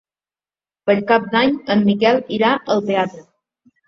Per Cap d'Any en Miquel irà al teatre.